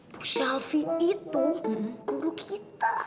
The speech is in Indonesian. bu shelfie itu guru kita